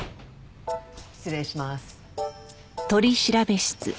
失礼します。